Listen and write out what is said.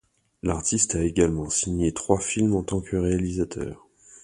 L'artiste a également signé trois films en tant que réalisateur.